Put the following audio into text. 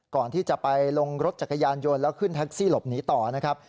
ก่อนที่จะไปลงรถจักรยานยนต์แล้วขึ้นแท็กซี่หลบหนีต่อนะครับ